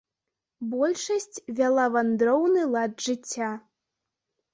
Большасць вяла вандроўны лад жыцця.